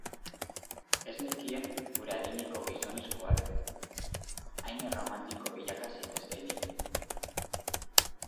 Ez nekien gure adineko gizonezkoak hain erromantiko bilaka zitezkeenik.